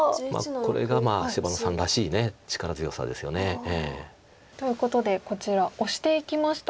これが芝野さんらしい力強さですよね。ということでこちらオシていきましたが。